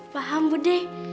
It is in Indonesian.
paham bu de